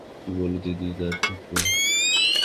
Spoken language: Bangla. কী বল দিদি, তার ঠিক নেই।